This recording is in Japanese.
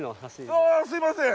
すいません。